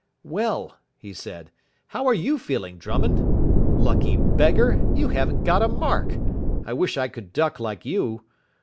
"Well," he said, "how are you feeling, Drummond? Lucky beggar, you haven't got a mark. I wish I could duck like you.